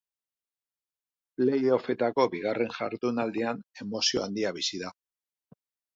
Play offetako bigarren jardunaldian emozio handia bizi da.